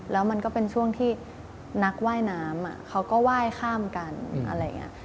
แล้วมันก็เป็นช่วงที่นักว่ายน้ำเขาก็ไหว้ข้ามกันอะไรอย่างนี้